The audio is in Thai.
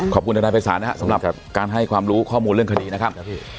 ขอบคุณยากได้ไปจากนั้นสำหรับการให้ความรู้ข้อมูลเรื่องคดีนะครับ